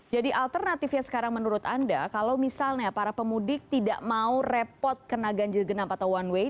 jadi alternatifnya sekarang menurut anda kalau misalnya para pemudik tidak mau repot kena ganjil genap atau one way